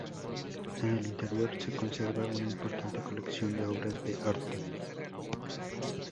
En el interior se conserva una importante colección de obras de arte.